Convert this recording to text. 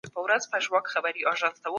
اسلامي شريعت د ټولو حقونه خوندي کوي.